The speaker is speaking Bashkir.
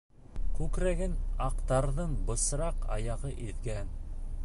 Күкрәген аҡтарҙың бысраҡ аяғы иҙгән.